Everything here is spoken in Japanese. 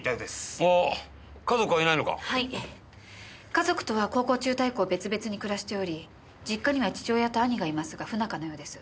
家族とは高校中退以降別々に暮らしており実家には父親と兄がいますが不仲のようです。